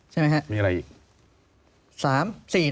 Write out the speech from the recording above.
ใช่ไหมครับมีอะไรอีก